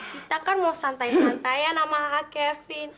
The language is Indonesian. kita kan mau santai santai ya nama kak kevin